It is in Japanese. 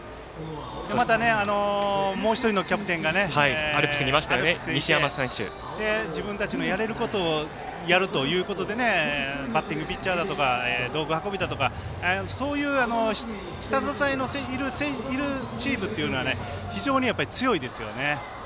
また、もう１人のキャプテンがアルプスにいて自分たちのやれることをやるということでバッティングピッチャーだとかボール運びそういう下支えがいるチームというのは非常に強いですね。